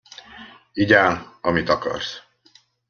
Igyál, amit akarsz.